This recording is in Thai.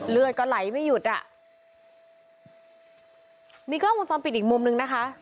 เลือดก็ไหลไม่หยุดอ่ะมีกล้องวงจรปิดอีกมุมนึงนะคะ